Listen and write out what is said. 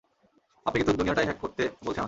আপনি কিন্তু দুনিয়াটাই হ্যাক করতে বলছেন আমাকে?